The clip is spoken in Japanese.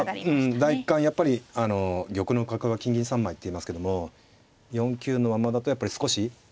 やっぱりあの「玉の囲いは金銀三枚」っていいますけども４九のままだとやっぱり少し。